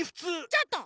ちょっと！